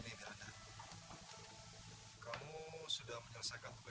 seperti pak dan mawan yang